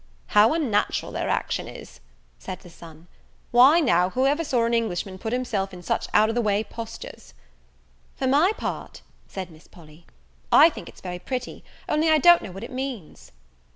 "How unnatural their action is!" said the son: "why, now, who ever saw an Englishman put himself in such out of the way postures?" "For my part," said Miss Polly, "I think it's very pretty, only I don't know what it means."